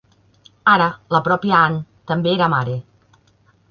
Ara la pròpia Ann també era mare.